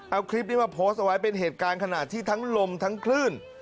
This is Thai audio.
เอาคลิปนี้มาโพสต์เอาไว้เป็นเหตุการณ์ขณะที่ทั้งลมทั้งคลื่น